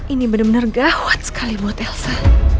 ini bener bener gawat sekali buat elsa